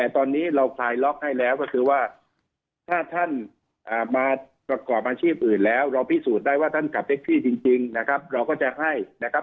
ถ้ามากรอบอาชีพอื่นแล้วเราพิสูจน์ได้ว่าท่านกับเท็กซี่จริงนะครับเราก็จะให้นะครับ